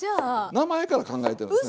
名前から考えてるんです。